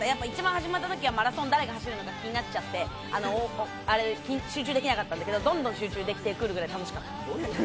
始まったときは、マラソン、誰が走るのか気になっちゃって集中できなかったんだけれども、どんどん集中できてくるぐらい楽しかった。